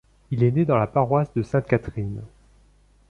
Il est né dans la paroisse de St Catherine.